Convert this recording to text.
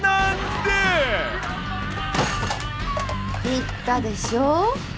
言ったでしょう？